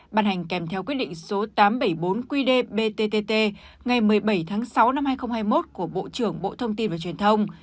bàn hành kèm theo quyết định số tám trăm bảy mươi bốn qdbttt ngày một mươi bảy sáu hai nghìn hai mươi một của bộ trưởng bộ thông tin và truyền thông